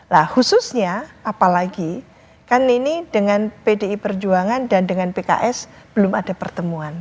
nah khususnya apalagi kan ini dengan pdi perjuangan dan dengan pks belum ada pertemuan